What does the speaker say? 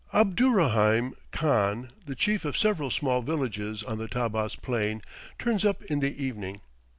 Abdurraheim Khan, the chief of several small villages on the Tabbas plain, turns up in the evening.